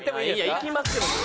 行きますけども。